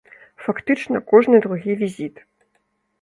Фактычна, кожны другі візіт.